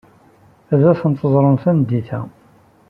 Ad tent-ẓren tameddit-a.